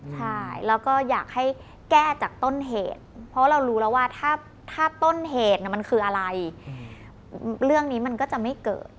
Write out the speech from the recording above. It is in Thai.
ใช่แล้วก็อยากให้แก้จากต้นเหตุเพราะเรารู้แล้วว่าถ้าต้นเหตุมันคืออะไรเรื่องนี้มันก็จะไม่เกิด